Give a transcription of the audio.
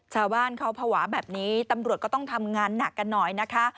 ชาวบ้านเขาภาวะแบบนี้ตำรวจก็ต้องทำงานหนักกันหน่อยนะคะ